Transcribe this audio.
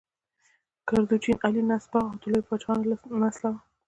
کردوچین اعلی نسبه وه او د لویو پاچاهانو له نسله وه.